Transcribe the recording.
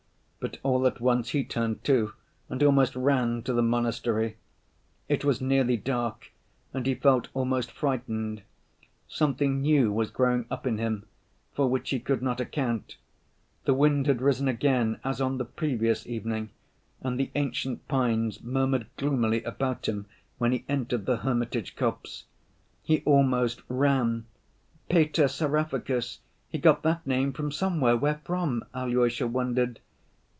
But all at once he turned too, and almost ran to the monastery. It was nearly dark, and he felt almost frightened; something new was growing up in him for which he could not account. The wind had risen again as on the previous evening, and the ancient pines murmured gloomily about him when he entered the hermitage copse. He almost ran. "Pater Seraphicus—he got that name from somewhere—where from?" Alyosha wondered.